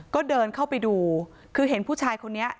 ก็เดินเข้าไปดูคือเห็นผู้ชายคนนี้